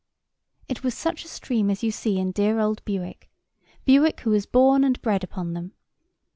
It was such a stream as you see in dear old Bewick; Bewick, who was born and bred upon them.